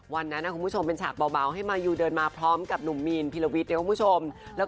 วันนั้นนะคุณผู้ชมเป็นฉากเบาให้มายูเดินมาพร้อมกับหนุ่มมีนพิลวิทย์นะครับคุณผู้ชม